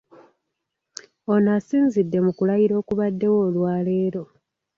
Ono asinzidde mu kulayira okubaddewo olwaleero.